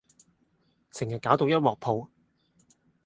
成日攪到一鑊泡